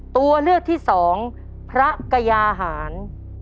ตัวเลือกที่สองพระกยาหาร